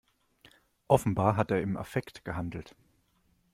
Offenbar hat er im Affekt gehandelt.